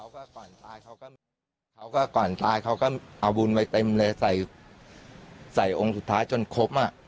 เขาก็ก่อนตายเขาก็เอาบุญไว้เต็มเลยใส่ใส่องค์สุดท้ายจนครบอ่ะ